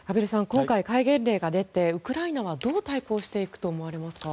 今回、戒厳令が出てウクライナはどう対抗していくと思われますか？